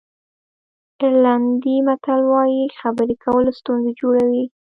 آیرلېنډي متل وایي خبرې کول ستونزې جوړوي.